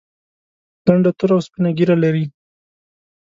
لنډه توره او سپینه ږیره لري.